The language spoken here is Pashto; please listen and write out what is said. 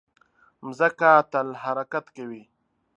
مځکه تل حرکت کوي.